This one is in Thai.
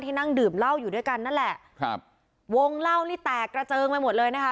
นั่งดื่มเหล้าอยู่ด้วยกันนั่นแหละครับวงเล่านี่แตกกระเจิงไปหมดเลยนะคะ